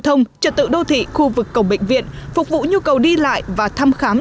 thông trật tự đô thị khu vực cổng bệnh viện phục vụ nhu cầu đi lại và thăm khám